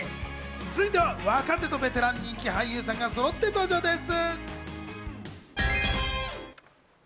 続いては若手とベテラン、人気俳優さんがそろって登場です。